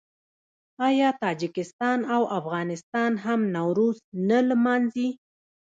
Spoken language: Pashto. آیا تاجکستان او افغانستان هم نوروز نه لمانځي؟